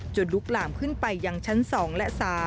ลุกหลามขึ้นไปยังชั้น๒และ๓